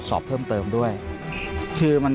มันกลัวเอิญอย่างนี้นะครับ